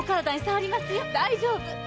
大丈夫。